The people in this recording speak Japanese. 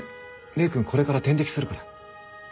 礼くんこれから点滴するから。